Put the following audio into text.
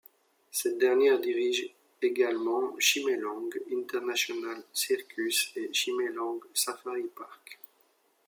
Cette dernière dirige également Chimelong International Circus et Chimelong Safari Park.